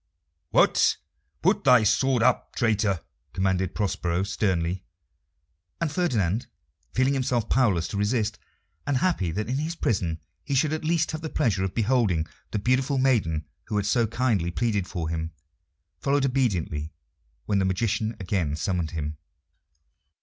"What? Put thy sword up, traitor!" commanded Prospero sternly. And Ferdinand, feeling himself powerless to resist, and happy that in his prison he should at least have the pleasure of beholding the beautiful maiden who had so kindly pleaded for him, followed obediently when the magician again summoned him.